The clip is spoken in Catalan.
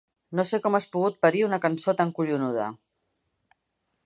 No sé com has pogut parir una cançó tan collonuda.